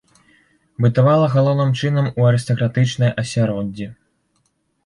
Бытавала галоўным чынам у арыстакратычнай асяроддзі.